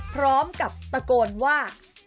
พร้อมกับตะโกนว่า